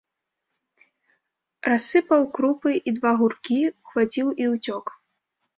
Рассыпаў крупы і два гуркі ўхваціў і ўцёк.